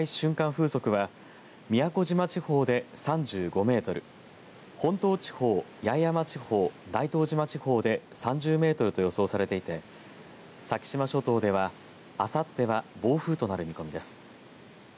風速は宮古島地方で３５メートル本島地方、八重山地方大東島地方で３０メートルと予想されていて先島諸島ではあさっては暴風となる見込みです。